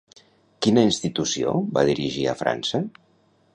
Quina institució va dirigir a França?